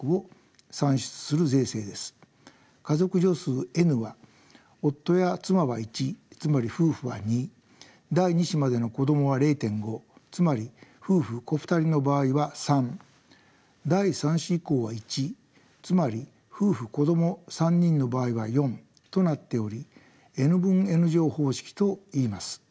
家族除数Ｎは夫や妻は１つまり夫婦は２第２子までの子どもは０．５つまり夫婦子２人の場合は３第３子以降は１つまり夫婦子ども３人の場合は４となっておりＮ分Ｎ乗方式といいます。